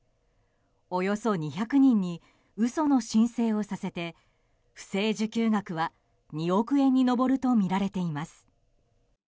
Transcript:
およそ２００人に嘘の申請をさせて不正受給額は２億円に上るとみられています。